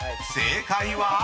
［正解は？］